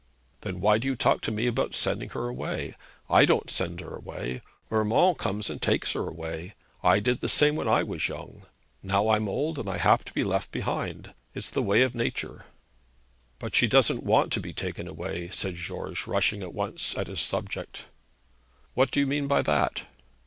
'Then why do you talk to me about sending her away? I don't send her away. Urmand comes and takes her away. I did the same when I was young. Now I'm old, and I have to be left behind. It's the way of nature.' 'But she doesn't want to be taken away,' said George, rushing at once at his subject. 'What do you mean by that?'